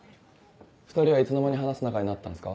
２人はいつの間に話す仲になったんですか？